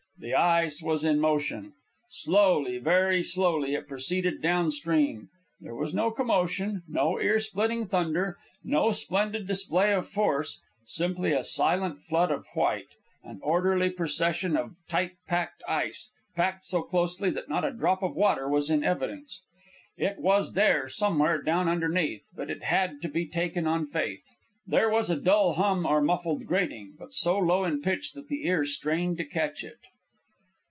The ice was in motion. Slowly, very slowly, it proceeded down stream. There was no commotion, no ear splitting thunder, no splendid display of force; simply a silent flood of white, an orderly procession of tight packed ice packed so closely that not a drop of water was in evidence. It was there, somewhere, down underneath; but it had to be taken on faith. There was a dull hum or muffled grating, but so low in pitch that the ear strained to catch it.